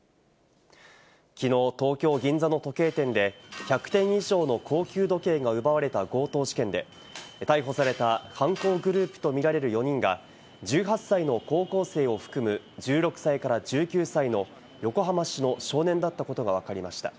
昨日、東京・銀座の時計店で１００点以上の高級時計が奪われた強盗事件で、逮捕された犯行グループとみられる４人が１８歳の高校生を含む、１６歳から１９歳の横浜市の少年だったことがわかりました。